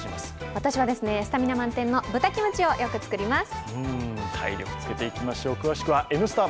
私はスタミナ満点の豚キムチをよく作ります。